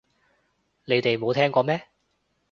你哋冇聽過咩